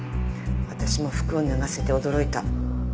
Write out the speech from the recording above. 私も服を脱がせて驚いた。